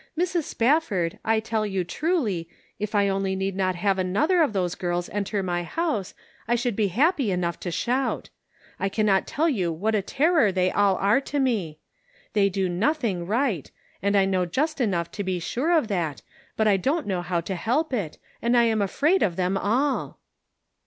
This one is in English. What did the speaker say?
Mrs. Spafford, I tell you truly, if I only need not have another of those girls enter my house, I should be happy enough to shout. I cannot tell you what a terror they all are to me. They do nothing right, and I know just enough to be sure of that, but I don't know how to help it, and I am afraid of them all."